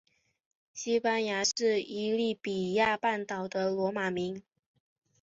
西班牙是伊比利亚半岛的罗马名。